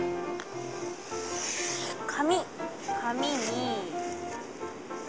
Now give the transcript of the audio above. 紙紙に。